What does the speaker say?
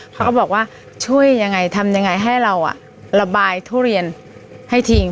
เขาก็บอกว่าช่วยยังไงทำยังไงให้เราระบายทุเรียนให้ทิ้ง